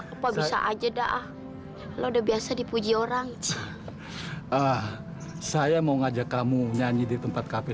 apa bisa aja dah lo udah biasa dipuji orang saya mau ngajak kamu nyanyi di tempat kafe